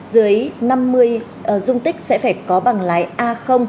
dưới năm mươi dung tích sẽ phải có bằng lái a